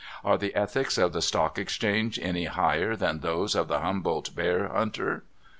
Are the ethics of the stock exchange any higher than those of the Humboldt bear hunter?